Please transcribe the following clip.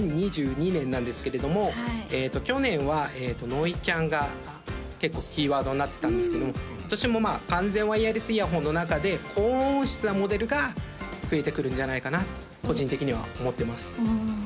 ２０２２年なんですけれども去年はノイキャンが結構キーワードになってたんですけども今年もまあ完全ワイヤレスイヤホンの中で高音質なモデルが増えてくるんじゃないかなと個人的には思ってます